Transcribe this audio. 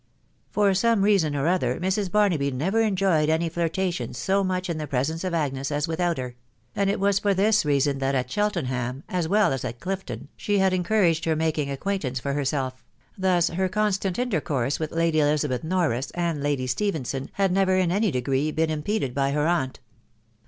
For some reason or other Mrs. Barnaby never enjoyed my flirtation so much in the presence of Agnes as without ha; and it was for this reason that at Cheltenham, as well tf it Clifton, she had encouraged her making acquaintance for her. self; thus her constant intercourse with Lady Elizabeth Nor ris and Lady Stephenson had never in any degree been Im peded by her aunt.